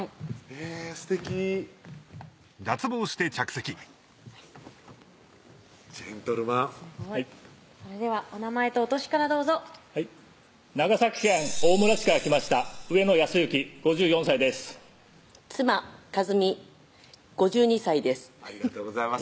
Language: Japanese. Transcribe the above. えぇすてきジェントルマンはいそれではお名前とお歳からどうぞはい長崎県大村市から来ました上野康之５４歳です妻・和美５２歳ですありがとうございます